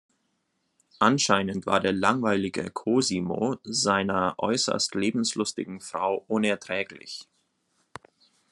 Anscheinend war der langweilige Cosimo seiner äußerst lebenslustigen Frau unerträglich.